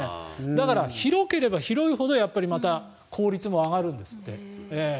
だから広ければ広いほどまた効率も上がるんですって。